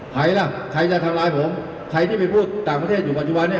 ใครล่ะใครจะทำร้ายผมใครที่ไปพูดต่างประเทศอยู่ปัจจุบันนี้